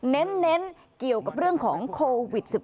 เน้นเกี่ยวกับเรื่องของโควิด๑๙